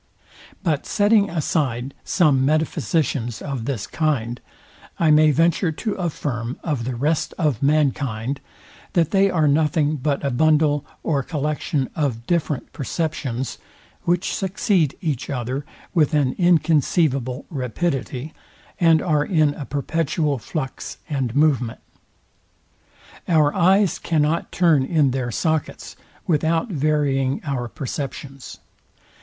But setting aside some metaphysicians of this kind, I may venture to affirm of the rest of mankind, that they are nothing but a bundle or collection of different perceptions, which succeed each other with an inconceivable rapidity, and are in a perpetual flux and movement. Our eyes cannot turn in their sockets without varying our perceptions.